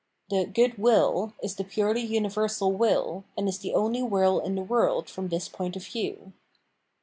The "good will" is the purely universal will, and is the only will in the world from this point of view.